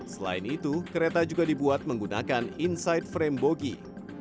selain itu kereta juga dibuat menggunakan inside frame bogie